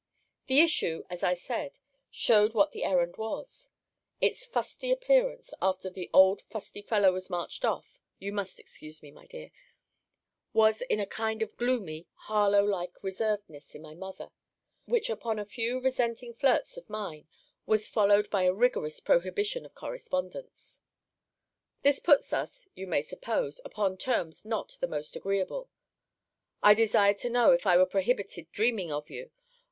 The issue, as I said, shewed what the errand was Its fusty appearance, after the old fusty fellow was marched off, [you must excuse me, my dear,] was in a kind of gloomy, Harlowe like reservedness in my mother; which upon a few resenting flirts of mine, was followed by a rigorous prohibition of correspondence. This put us, you may suppose, upon terms not the most agreeable, I desired to know, if I were prohibited dreaming of you?